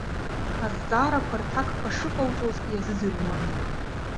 Азҵаарақәа рҭакқәа шыҟауҵоз иазыӡырҩуан.